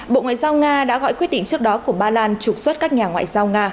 bộ ngoại giao nga đã gọi quyết định trước đó của ba lan trục xuất các nhà ngoại giao nga